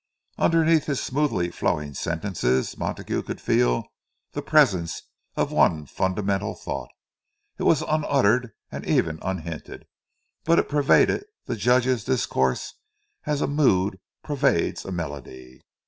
Underneath his smoothly flowing sentences Montague could feel the presence of one fundamental thought; it was unuttered and even unhinted, but it pervaded the Judge's discourse as a mood pervades a melody.